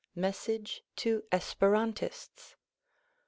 Message to Esperantists.